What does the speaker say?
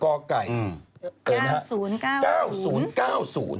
ของใครเลืกหนู